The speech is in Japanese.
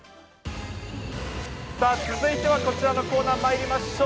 さあ、続いてはこちらのコーナーまいりましょう。